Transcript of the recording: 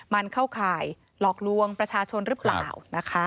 มันเข้าข่ายหลอกลวงประชาชนหรือเปล่านะคะ